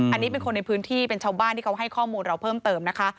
อันนี้เป็นคนในพื้นที่เป็นชาวบ้านที่เขาให้ข้อมูลเราเพิ่มเติมนะคะ